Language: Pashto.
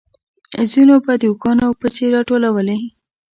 ځينو به د اوښانو پچې راټولولې.